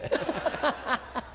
ハハハハ！